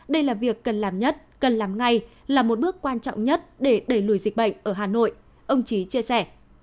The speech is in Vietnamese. đây là việc cần làm nhất cần làm ngay là một bước quan trọng nhất để đẩy lùi dịch bệnh ở hà nội ông trí chia sẻ